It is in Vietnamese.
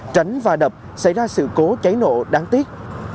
tránh và đập xảy ra sự cố cháy nộ đáng tiếc